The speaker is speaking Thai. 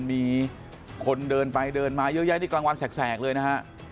มีเยอะแยะกลางวันแสกเลยนะฮะ